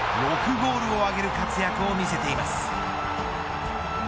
ゴールを挙げる活躍を見せています。